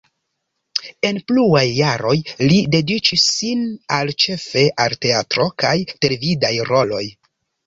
En pluaj jaroj li dediĉis sin al ĉefe al teatro kaj televidaj roloj.